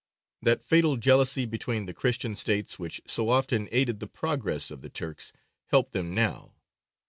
That fatal jealousy between the Christian States which so often aided the progress of the Turks helped them now.